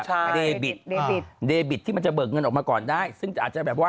ใช่เดบิตเดบิตเดบิตที่มันจะเบิกเงินออกมาก่อนได้ซึ่งอาจจะแบบว่า